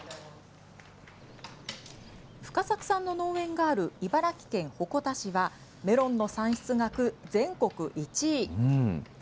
深作さんの農園がある茨城県鉾田市は、メロンの産出額、全国１位。